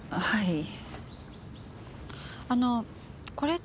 はい。